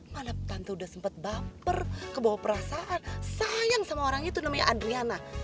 mana tante udah sempet baper kebawa perasaan sayang sama orang itu namanya adriana